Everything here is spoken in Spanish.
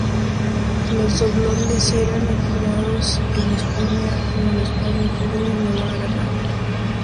Los doblones eran acuñados en España, Nueva España, Perú y Nueva Granada.